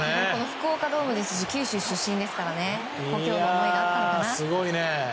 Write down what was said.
福岡ドームですし九州出身ですから故郷への思いがあったんですかね。